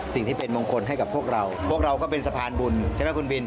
สิ่งที่เป็นมงคลให้กับพวกเราพวกเราก็เป็นสะพานบุญใช่ไหมคุณบิน